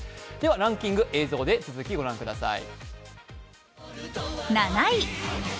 ランキング、映像で続きをご覧ください。